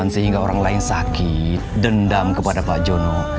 sehingga orang lain sakit dendam kepada pak jono